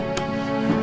tunggu ya tunggu ya